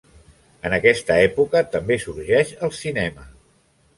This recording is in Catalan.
En aquesta època també sorgeix el cinema.